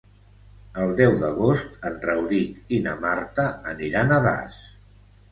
El deu d'agost en Rauric i na Marta aniran a Das.